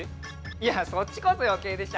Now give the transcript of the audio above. いやそっちこそよけいでしょ。